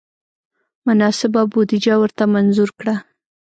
مناسبه بودجه ورته منظور کړه.